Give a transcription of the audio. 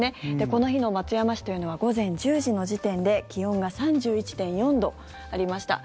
この日の松山市というのは午前１０時の時点で気温が３１．４度ありました。